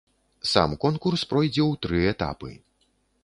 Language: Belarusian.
Сам конкурс пройдзе ў тры этапы.